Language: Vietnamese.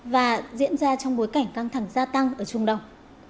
và diễn ra trong bối cảnh căng thẳng gia tăng ở trung đông